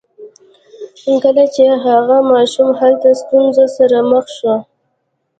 کله چې هغه ماشوم هلته له ستونزو سره مخ شو